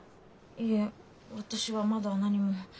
いえ私はまだ何も。